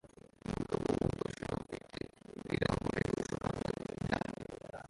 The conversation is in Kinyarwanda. Umugabo wogosha ufite ibirahuri acuranga gitari